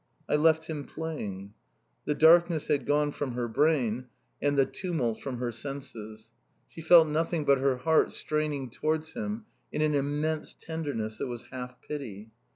"I left him playing." The darkness had gone from her brain and the tumult from her senses. She felt nothing but her heart straining towards him in an immense tenderness that was half pity.